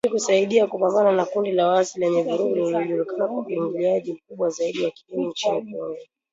ili kusaidia kupambana na kundi la waasi lenye vurugu linalojulikana kwa uingiliaji mkubwa zaidi wa kigeni nchini Kongo